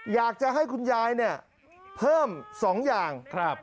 อยากจะให้คุณยายเนี้ยเพิ่มสองอย่างครับ